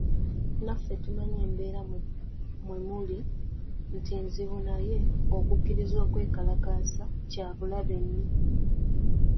Naffe tumanyi embeera mwemuli nti nzibu naye okukkiriza okwekalakaasa kyabulabe nnyo.